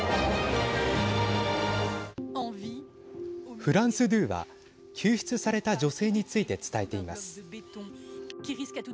フランス２は、救出された女性について伝えています。